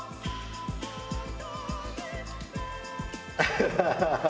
ハハハハ！